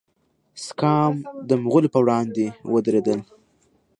سکام د مغولو پر وړاندې ودریدل.